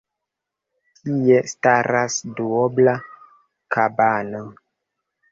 Tie staras duobla kabano.